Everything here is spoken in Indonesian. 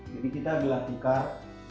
jadi kita berlatih kar